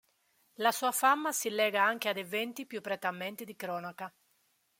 La sua fama si lega anche ad eventi più prettamente di cronaca.